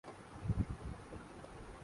اس مہربانی کا شکریہ